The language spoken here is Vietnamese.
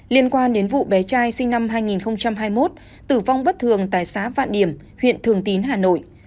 liên quan đến vụ bé trai sinh năm hai nghìn hai mươi một tử vong bất thường tại xã vạn điểm huyện thường tín hà nội